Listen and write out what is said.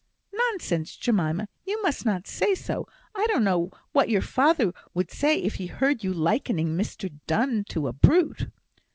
"Nonsense, Jemima; you must not say so. I don't know what your father would say, if he heard you likening Mr Donne to a brute."